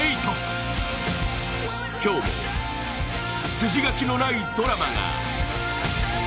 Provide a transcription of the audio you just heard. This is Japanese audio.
今日も筋書きのないドラマが。